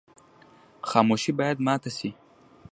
خاموشي باید ماته شي.